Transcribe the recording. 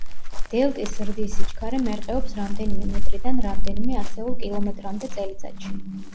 დელტის ზრდის სიჩქარე მერყეობს რამდენიმე მეტრიდან რამდენიმე ასეულ კილომეტრამდე წელიწადში.